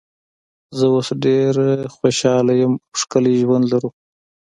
زه اوس ډېره خوشاله یم او ښکلی ژوند لرو.